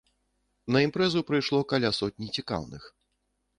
На імпрэзу прыйшло каля сотні цікаўных.